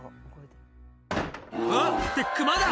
「うわってクマだ！